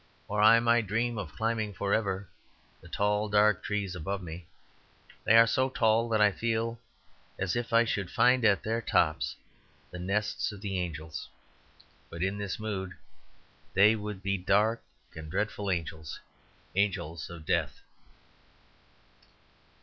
Or I might dream of climbing for ever the tall dark trees above me. They are so tall that I feel as if I should find at their tops the nests of the angels; but in this mood they would be dark and dreadful angels; angels of death.